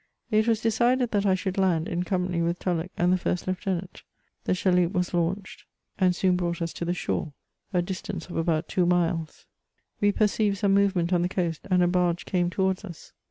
It was decided that I should land, in company with Tulloch and the first lieutenant ; the chaloupe was launched, and soon brought us to the shore, a distance of about two miles. We per ceived some movement on the coast, and a barge came towards us.